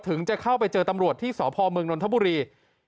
จะเข้าไปเจอตำรวจที่สพเมืองนนทบุรี